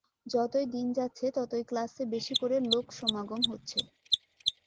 যতই দিন যাচ্ছে, ততই ক্লাসে বেশী করে লোক সমাগম হচ্ছে।